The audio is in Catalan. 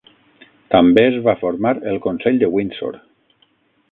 També es va formar el consell de Windsor.